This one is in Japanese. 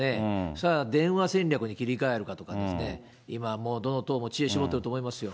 そしたら電話戦略に切り替えるかとか、今、どの党も知恵絞っていると思いますよ。